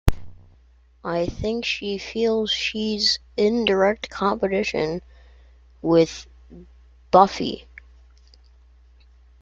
I think she feels she's in direct competition with Buffy.